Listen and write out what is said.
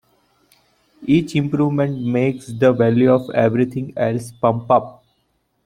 Each improvement makes the value of everything else pump up.